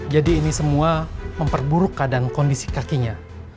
jadi ini semua memperburuk keadaan kondisi kakinya